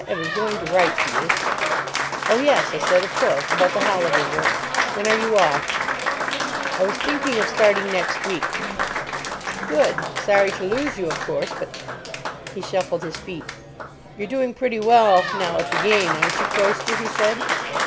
I was going to write to you." "Oh, yes," I said, "of course. About the holiday work. When are you off?" "I was thinking of starting next week." "Good. Sorry to lose you, of course, but——" He shuffled his feet. "You're doing pretty well now at the game, aren't you, Cloyster?" he said.